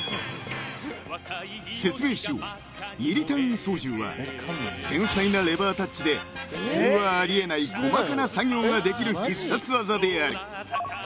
［説明しようミリ単位操縦は繊細なレバータッチで普通はあり得ない細かな作業ができる必殺技である］